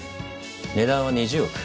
値段は２０億。